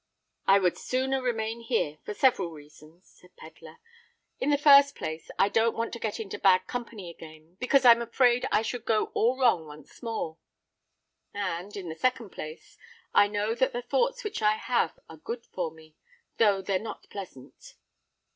"I would sooner remain here, for several reasons," said Pedler. "In the first place, I don't want to get into bad company again; because I'm afraid I should go all wrong once more;—and, in the second place, I know that the thoughts which I have are good for me, though they're not pleasant."